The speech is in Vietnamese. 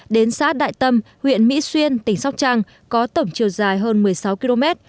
đến xã đại tâm huyện mỹ xuyên tỉnh sóc trăng có tổng chiều dài hơn một mươi sáu km